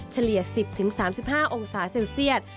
เฉลี่ย๑๐๓๕องศาเซลเซียต